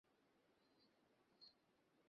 সুখী হলাম যে, তুমি রামকৃষ্ণকে ত্যাগ করনি।